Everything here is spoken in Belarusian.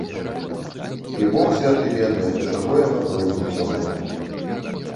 І бог святы ведае, да чаго яно дойдзець, усё гэта…